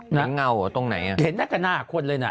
เห็นเงาหรอตรงไหนอะเห็นหน้ากระหน้าคนเลยนะ